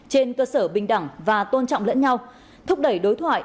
trên cơ sở bình đẳng và tôn trọng lẫn nhau thúc đẩy đối thoại